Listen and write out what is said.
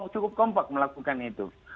cukup kompak melakukan itu